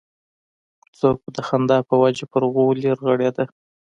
څوک به د خندا په وجه پر غولي رغړېده.